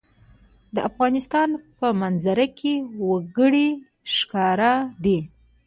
د افغانستان په منظره کې وګړي ښکاره ده.